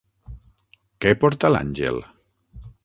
Què porta l'àngel?